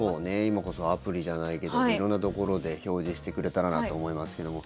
今こそアプリじゃないけど色んなところで表示してくれたらなと思いますけども。